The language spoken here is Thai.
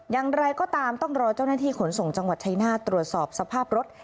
อย่างไรก็ตามต้องรอเจ้าหน้าที่ขนส่งจังหวัดชายนาฏตรวจสอบสภาพรถ